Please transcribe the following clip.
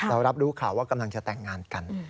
เรารับรู้ข่าวว่ากำลังจะแต่งงานกัน